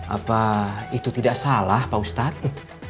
apa itu tidak salah pak ustadz